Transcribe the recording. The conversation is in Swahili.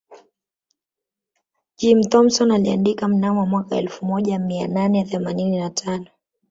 Jim Thompson aliandika mnamo mwaka elfu moja mia nane themanini na tano